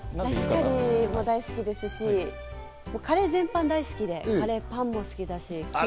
ライスカレーも大好きですし、カレー全般大好きで、カレーパンも好きだし。